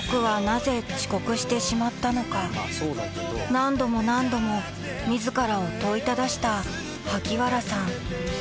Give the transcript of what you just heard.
何度も何度も自らを問いただした萩原さん